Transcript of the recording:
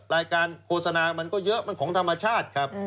รายการโฆษณามันก็เยอะมันของธรรมชาติครับ